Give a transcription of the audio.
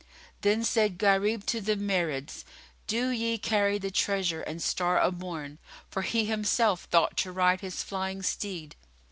Then said Gharib to the Marids, "Do ye carry the treasure and Star o' Morn;" for he himself thought to ride his flying steed.